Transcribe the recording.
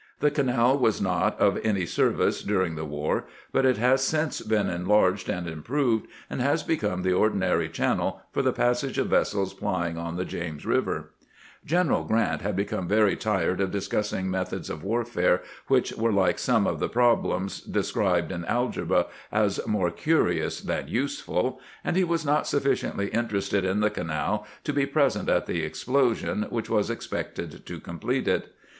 The canal was not of any service during the war, but it has since been enlarged and improved, and has become the ordinary channel for the passage of vessels plying on the James River, General Grant had become very tired of discussing methods of warfare which were like some of the problems described in algebra as " more curious than useful," and he was not sufficiently interested in the canal to be present at the explosion which was expected to com plete it.